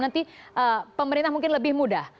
nanti pemerintah mungkin lebih mudah